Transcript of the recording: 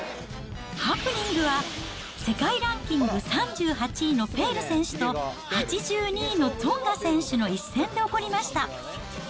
ハプニングは世界ランキング３８位のペール選手と、８２位のツォンガ選手の一戦で起こりました。